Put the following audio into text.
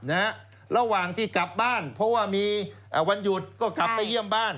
นะฮะระหว่างที่กลับบ้านเพราะว่ามีเอ่อวันหยุดก็กลับไปเยี่ยมบ้าน